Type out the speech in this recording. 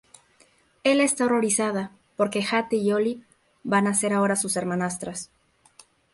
Ela está horrorizada porque Hattie y Olive van a ser ahora sus hermanastras.